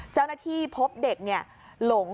เจ้าหน้าที่พบเด็กหลง